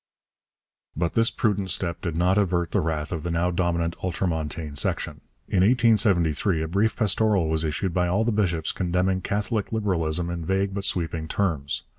But this prudent step did not avert the wrath of the now dominant ultramontane section. In 1873 a brief pastoral was issued by all the bishops condemning Catholic Liberalism in vague but sweeping terms.